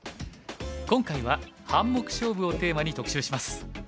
今回は「半目勝負」をテーマに特集します。